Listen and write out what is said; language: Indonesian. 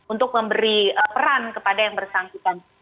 untuk memberi peran kepada yang bersangkutan